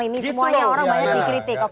ini semuanya orang banyak dikritik